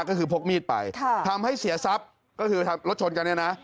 ก็คือพกมีดไปทำให้เสียทรัพย์ก็คือทำรถชนกันเนี่ยนะ